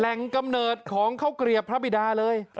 กำเนิดของข้าวเกลียบพระบิดาเลย